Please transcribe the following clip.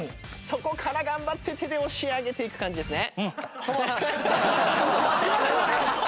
そこから頑張って手で押し上げていく感じですね。